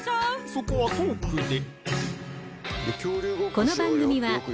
そこはトークで！